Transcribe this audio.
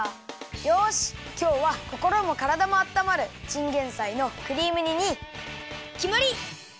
よしきょうはこころもからだもあったまるチンゲンサイのクリーム煮にきまり！